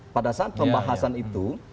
pada saat pembahasan itu